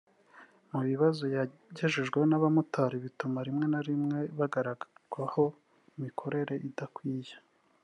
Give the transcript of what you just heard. Mu bibazo yagejejweho n’abamotari bituma rimwe na rimwe bagaragarwaho imikorere idakwiye